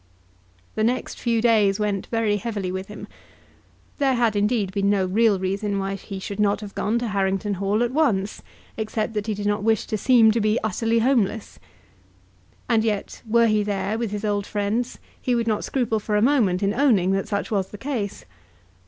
The next few days went very heavily with him. There had, indeed, been no real reason why he should not have gone to Harrington Hall at once, except that he did not wish to seem to be utterly homeless. And yet were he there, with his old friends, he would not scruple for a moment in owning that such was the case.